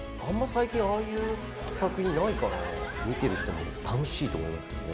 最近ああいう作品ないから見てる人も楽しいと思いますけどね。